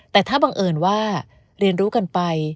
แต่ถ้าบังเอิญว่าเรียนรู้กันไป